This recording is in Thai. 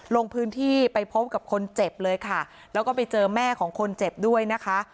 ลงพื้นที่ไปพบกับคนเจ็บเลยค่ะแล้วก็ไปเจอแม่ของคนเจ็บด้วยนะคะ